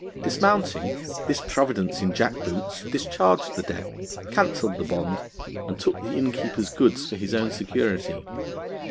Dismounting, this providence in jack boots discharged the debt, cancelled the bond, and took the innkeeper's goods for his own security.